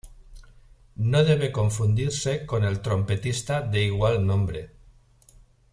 No debe confundirse con el trompetista de igual nombre.